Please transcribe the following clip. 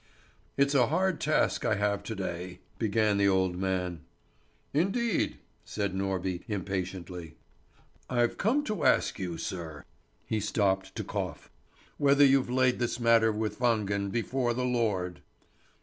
"It's a hard task I have to day," began the old man. "Indeed?" said Norby impatiently. "I've come to ask you, sir" he stopped to cough "whether you've laid this matter with Wangen before the Lord."